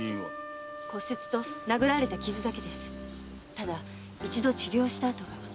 ただ一度治療した跡が。